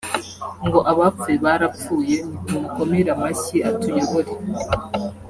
ngo abapfuye barapfuye nitumukomere amashyi atuyobore